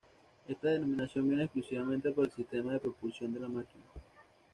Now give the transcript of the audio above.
Esta denominación viene exclusivamente por el sistema de propulsión de la máquina.